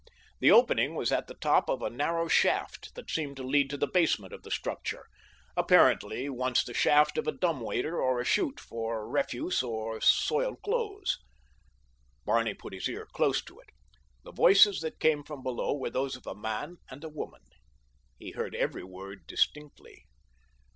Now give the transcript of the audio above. The opening was at the top of a narrow shaft that seemed to lead to the basement of the structure—apparently once the shaft of a dumb waiter or a chute for refuse or soiled clothes. Barney put his ear close to it. The voices that came from below were those of a man and a woman. He heard every word distinctly.